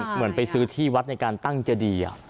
เหมือนไปซื้อที่วัดในการตั้งเจดี